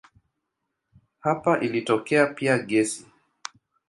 Hapa ilitokea pia gesi.